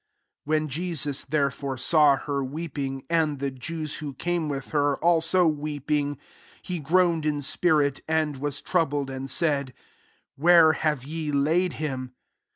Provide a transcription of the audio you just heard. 33 When Jesus, therefen saw her weeping, and the leu who came with her, a/«o weef ing, he groaned in spirit, to was troubled, 34 and s^ " Where have ye laid him?